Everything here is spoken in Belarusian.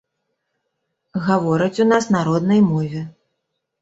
Гавораць у нас на роднай мове.